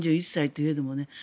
３１歳といえどもね。